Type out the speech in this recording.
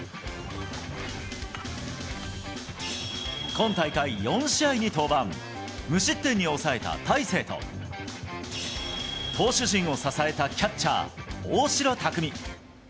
今大会４試合に登板、無失点に抑えた大勢と、投手陣を支えたキャッチャー、大城卓三。